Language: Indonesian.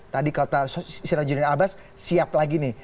tadi kata sirajudin abbas siap lagi nih